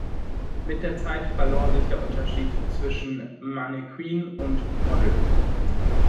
Mit der Zeit verlor sich der Unterschied zwischen Mannequin und Model.